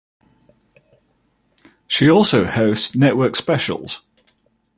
She also hosts network specials.